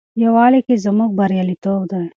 یووالي کې زموږ بریالیتوب دی.